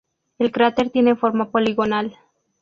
El cráter tiene forma poligonal.